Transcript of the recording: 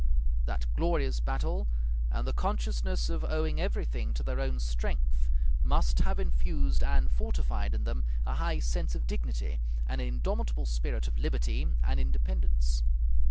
That glorious battle, and the consciousness of owing everything to their own strength, must have infused and fortified in them a high sense of dignity and an indomitable spirit of liberty and independence.